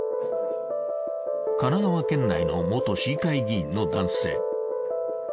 神奈川県内の元市議会議員の男性。